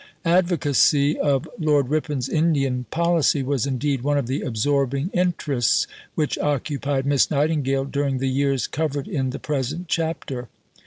Advocacy of Lord Ripon's Indian policy was indeed one of the absorbing interests which occupied Miss Nightingale during the years covered in the present chapter.